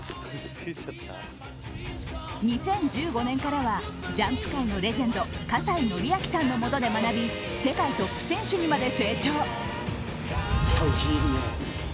２０１５年からはジャンプ界のレジェンド葛西紀明さんの元で学び、世界トップ選手にまで成長。